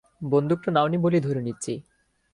বন্দুকটা নাওনি বলেই ধরে নিচ্ছি?